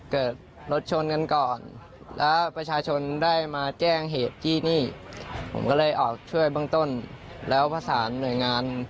เกิดรถชนกันก่อนแล้วประชาชนได้มาแกล้งเหตุที่นี่ออกช่วยบ้างต้นแล้วผสานหน่วยงานที่เข้าเวร